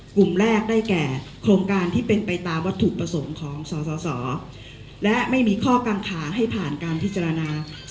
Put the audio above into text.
กลุ่มแรกได้แก่โครงการที่เป็นไปตามวัตถุประสงค์ของสสและไม่มีข้อกังขาให้ผ่านการพิจารณา